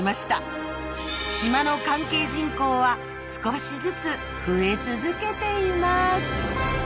島の関係人口は少しずつ増え続けています。